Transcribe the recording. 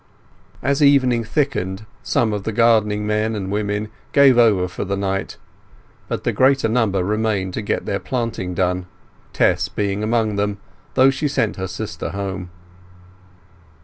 As evening thickened, some of the gardening men and women gave over for the night, but the greater number remained to get their planting done, Tess being among them, though she sent her sister home.